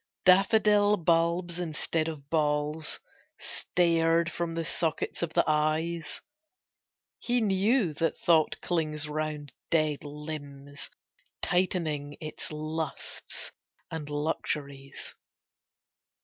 Daffodil bulbs instead of balls Stared from the sockets of the eyes! He knew that thought clings round dead limbs Tightening its lusts and luxuries.